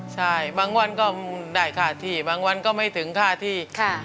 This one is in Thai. ใช่บางวันก็ได้ค่าที่บางวันก็ไม่ถึงค่าที่